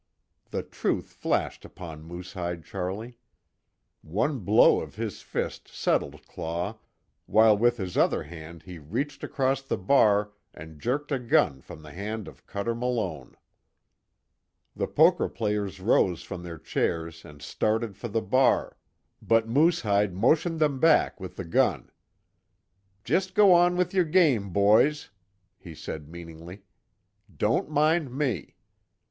The truth flashed upon Moosehide Charlie. One blow of his fist settled Claw, while with his other hand he reached across the bar and jerked a gun from the hand of Cuter Malone. The poker players rose from their chairs and started for the bar, but Moosehide motioned them back with the gun. "Jest go on with yer game, boys," he said meaningly. "Don't mind me."